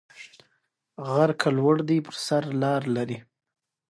خواړه او فلزات او پلاستیک تولیدیږي.